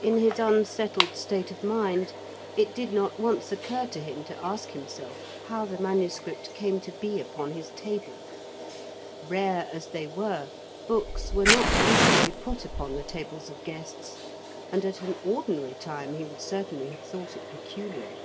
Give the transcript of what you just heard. In his unsettled state of mind it did not once occur to him to ask himself how the manuscript came to be upon his table. Rare as they were, books were not usually put upon the tables of guests, and at an ordinary time he would certainly have thought it peculiar.